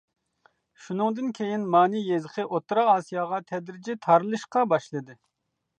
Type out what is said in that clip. شۇنىڭدىن كېيىن مانى يېزىقى ئوتتۇرا ئاسىياغا تەدرىجىي تارىلىشقا باشلىدى.